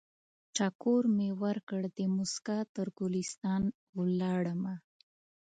ټکور مې ورکړ، دموسکا تر ګلستان ولاړمه